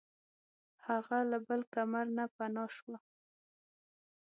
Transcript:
هغه له بل کمر نه پناه شوه.